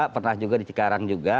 pernah juga di cikarang juga